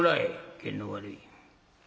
験の悪い」。